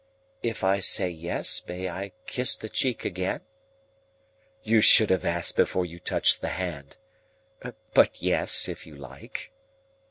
"If I say yes, may I kiss the cheek again?" "You should have asked before you touched the hand. But, yes, if you like."